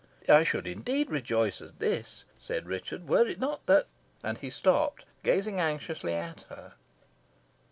"I should indeed rejoice at this," said Richard, "were it not that " And he stopped, gazing anxiously at her.